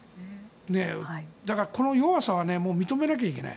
だから、この弱さは認めなければいけない。